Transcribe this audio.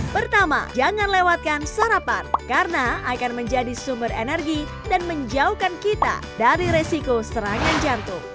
pertama jangan lewatkan sarapan karena akan menjadi sumber energi dan menjauhkan kita dari resiko serangan jantung